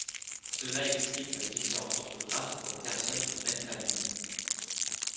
Cela explique la différence d'orthographe pour les personnes d'une même famille.